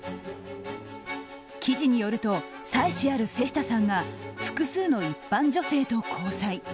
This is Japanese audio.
記事によると妻子ある瀬下さんが複数の一般女性と交際。